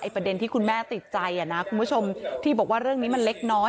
ประเด็นที่คุณแม่ติดใจนะคุณผู้ชมที่บอกว่าเรื่องนี้มันเล็กน้อย